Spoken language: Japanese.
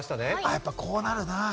やっぱこうなるな。